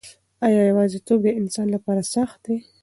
آیا یوازیتوب د انسان لپاره سخت دی؟